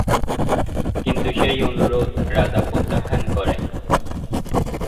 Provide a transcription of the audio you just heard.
কিন্তু সেই অনুরোধ রাজা প্রত্যাখ্যান করে।